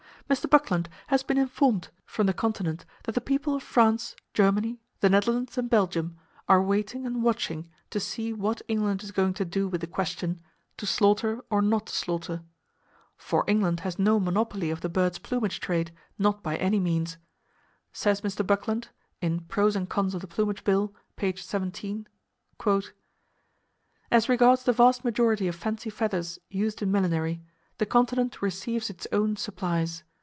Mr. Buckland has been informed from the Continent that the people of France, Germany, the Netherlands and Belgium are waiting and watching to see what England is going to do with the question, "To slaughter, or not to slaughter?" For England has no monopoly of the birds' plumage trade, not by any means. Says Mr. Buckland ("Pros and Cons of the Plumage Bill," page 17): "As regards the vast majority of fancy feathers used in millinery, the Continent receives its own supplies.